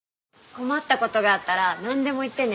困った事があったらなんでも言ってね。